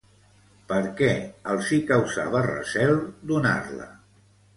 Per què els hi causava recel donar-la?